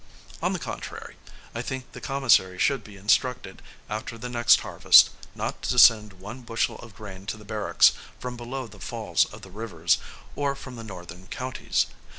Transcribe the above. On the contrary, I think the commissary should be instructed, after the next harvest, not to send one bushel of grain to the barracks from below the falls of the rivers, or from the northern counties.